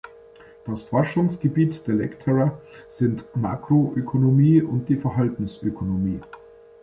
Das Forschungsgebiet der Lecturer sind Makroökonomie und die Verhaltensökonomik.